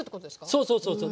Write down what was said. そうそうそうそう。